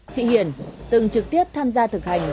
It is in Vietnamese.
chị hiền từng trực tiếp tham gia thực hành